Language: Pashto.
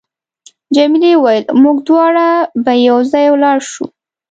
جميلې وويل: موږ دواړه به یو ځای ولاړ شو.